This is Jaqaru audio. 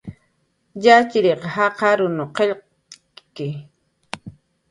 Yatxchiriq jaqarunw qillqt'ki